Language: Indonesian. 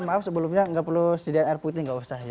maaf sebelumnya nggak perlu sedia air putih nggak usah